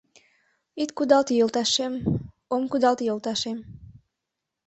Ит кудалте, йолташем, ом кудалте, йолташем